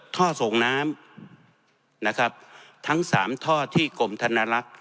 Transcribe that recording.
ท่อส่งน้ำนะครับทั้งสามท่อที่กรมธนลักษณ์